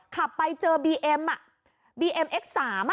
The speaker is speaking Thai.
ขับไปเจอบีเอ็มบีเอ็มเอ็กซ์๓